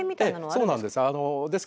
そうなんです。